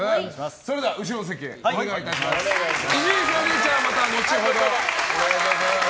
それでは後ろの席へお願いします。